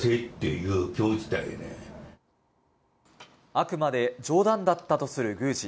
あくまで冗談だったとする宮司。